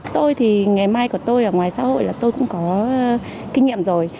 tôi thì nghề may của tôi ở ngoài xã hội là tôi cũng có kinh nghiệm rồi